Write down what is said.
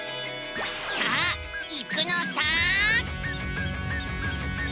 さあ行くのさ！